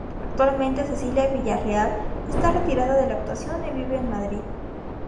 Actualmente Cecilia Villarreal está retirada de la actuación y vive en Madrid.